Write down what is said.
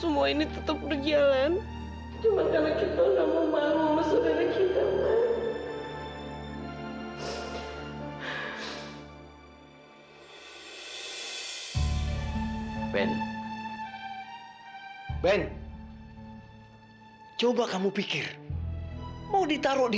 ma jangan nangis terus